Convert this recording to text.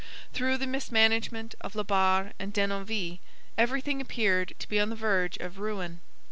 Through the mismanagement of La Barre and Denonville everything appeared to be on the verge of ruin.